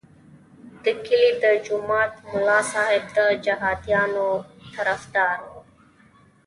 د کلي د جومات ملا صاحب د جهادیانو طرفدار وو.